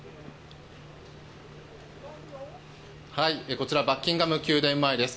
こちらバッキンガム宮殿前です。